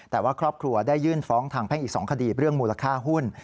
แต่ว่าครอบครัวได้ยื่นฟ้องทางแพ่งอีก๒คดีเรื่องมูลค่าหุ้น